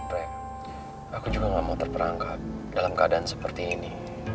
rek aku juga gak mau terperangkap dalam keadaan seperti ini